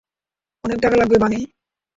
অনেক টাকা লাগবে, বানি।